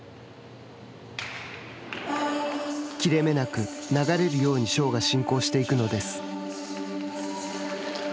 切れ目なく流れるようにショーが進行していくのです。